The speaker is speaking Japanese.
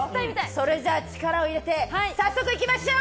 それじゃあ、力を入れて早速いきましょう！